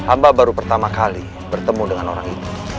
amba baru pertama kali bertemu dengan orang itu